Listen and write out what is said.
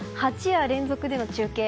８夜連続での中継。